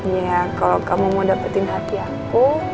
ya kalau kamu mau dapetin hati aku